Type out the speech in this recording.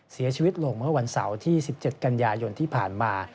เสียชีวิตลงเมื่อวันเสาร์ที่๑๗กันยายนที่ผ่านมา